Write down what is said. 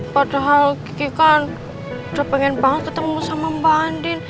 padahal kiki kan udah pengen banget ketemu sama mbak andin